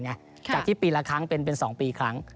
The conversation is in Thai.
จากที่ปีละครั้งเป็น๒ปีครั้ง